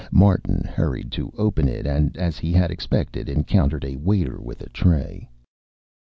Martin hurried to open it and as he had expected encountered a waiter with a tray.